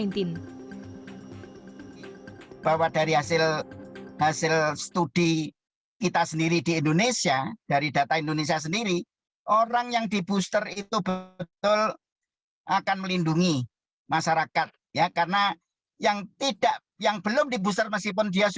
di jawa timur penularan subvarian omikron dimungkinkan karena perjalanan internasional